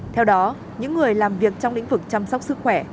theo đó những người làm việc trong lĩnh vực chăm sóc sức khỏe